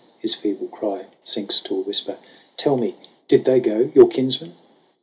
His feeble cry Sinks to a whisper. "Tell me, did they go Your kinsmen ?"